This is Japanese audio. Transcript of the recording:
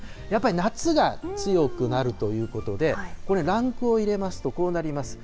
やっぱり夏が強くなるということで、これ、ランクを入れますと、こうなります。